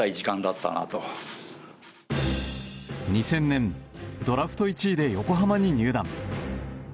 ２０００年ドラフト１位で横浜に入団。